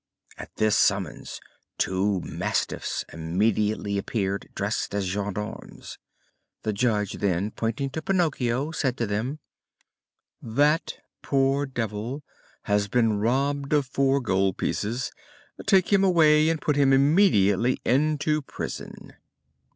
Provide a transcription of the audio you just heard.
At this summons two mastiffs immediately appeared dressed as gendarmes. The judge then, pointing to Pinocchio, said to them: "That poor devil has been robbed of four gold pieces; take him away and put him immediately into prison."